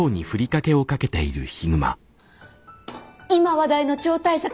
今話題の超大作。